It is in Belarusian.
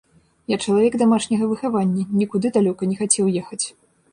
Я чалавек дамашняга выхавання, нікуды далёка не хацеў ехаць.